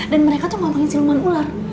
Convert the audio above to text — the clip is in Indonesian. dan mereka tuh ngomongin siruman ular